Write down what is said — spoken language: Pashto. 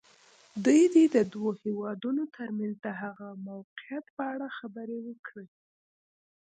دوی دې د دوو هېوادونو تر منځ د هغه موقعیت په اړه خبرې وکړي.